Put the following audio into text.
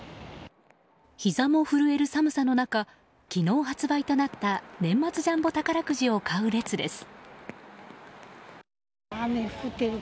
ひざも震える寒さの中昨日発売となった年末ジャンボ宝くじを買う列です。